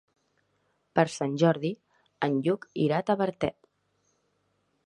Per Sant Jordi en Lluc irà a Tavertet.